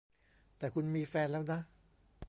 แต่คุณมีแฟนแล้วนะ